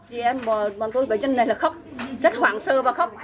chị em bọn tôi với dân này là khóc rất hoảng sơ và khóc